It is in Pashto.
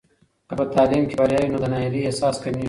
که په تعلیم کې بریا وي، نو د ناهیلۍ احساس کمېږي.